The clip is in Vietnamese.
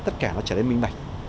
tất cả nó trở nên minh bạch